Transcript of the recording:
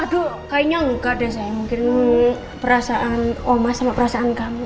aduh kayaknya enggak deh saya mungkin perasaan oma sama perasaan kami